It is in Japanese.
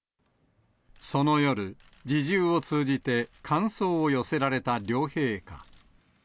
その夜、侍従を通じて感想を寄せられた両陛下。